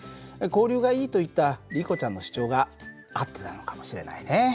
「交流がいい」と言ったリコちゃんの主張が合ってたのかもしれないね。